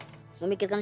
ohan lebih keras